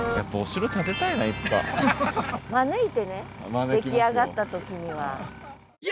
招いてね出来上がった時には。